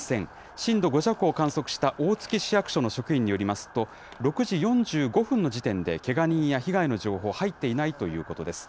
震度５弱を観測した大月市役所の職員によりますと、６時４５分の時点で、けが人や被害の情報は入っていないということです。